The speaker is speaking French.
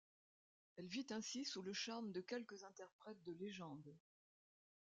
Elle vit ainsi sous le charme de quelques interprètes de légende.